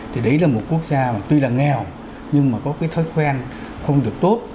thì đấy là một quốc gia mà tuy là nghèo nhưng mà có cái thói quen không được tốt